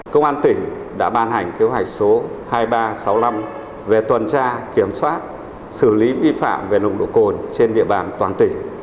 công an tỉnh đã ban hành kế hoạch số hai nghìn ba trăm sáu mươi năm về tuần tra kiểm soát xử lý vi phạm về nồng độ cồn trên địa bàn toàn tỉnh